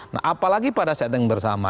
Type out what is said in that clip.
nah apalagi pada saat yang bersama